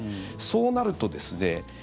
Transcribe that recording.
そうなるとですね